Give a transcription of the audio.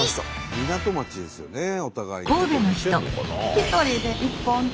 港町ですよねお互いに。